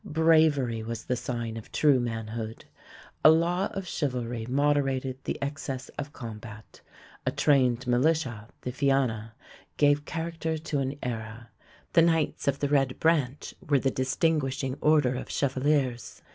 Bravery was the sign of true manhood. A law of chivalry moderated the excess of combat. A trained militia, the Fianna, gave character to an era; the Knights of the Red Branch were the distinguishing order of chevaliers.